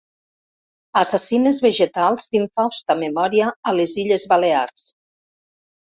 Assassines vegetals d'infausta memòria a les Illes Balears.